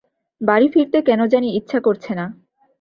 বাড়ি ফিরতে কেন জানি ইচ্ছা করছে না।